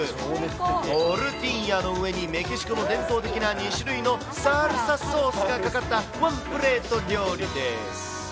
トルティーヤの上にメキシコの伝統的な２種類のサルサソースがかかったワンプレート料理です。